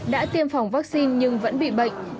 đã tiêm phòng vaccine nhưng vẫn bị bệnh